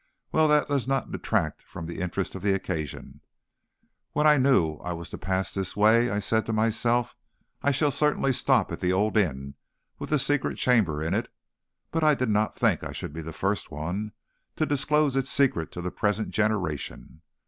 "Well, that does not detract from the interest of the occasion. When I knew I was to pass this way, I said to myself I shall certainly stop at the old inn with the secret chamber in it, but I did not think I should be the first one to disclose its secret to the present generation.